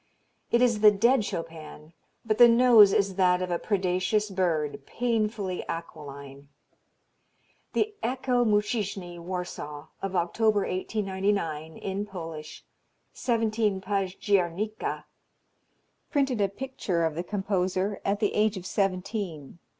It is the dead Chopin, but the nose is that of a predaceous bird, painfully aquiline. The "Echo Muzyczne" Warsaw, of October 1899 in Polish "17 Pazdziernika" printed a picture of the composer at the age of seventeen.